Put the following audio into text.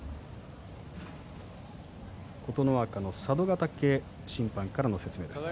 琴ノ若の佐渡ヶ嶽審判の説明です。